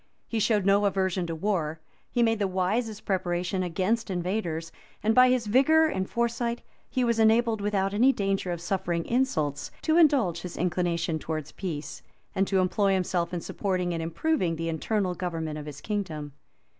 He showed no aversion to war; he made the wisest preparations against invaders; and, by this vigor and foresight, he was enabled without any danger of suffering insults, to indulge his inclination towards peace, and to employ himself in supporting and improving the internal government of his kingdom.